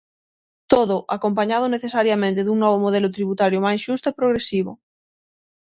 Todo, acompañado necesariamente dun novo modelo tributario máis xusto e progresivo.